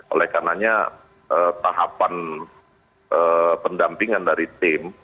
oleh karenanya tahapan pendampingan dari tim